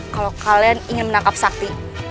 kalau kalian ingin menangkap sakti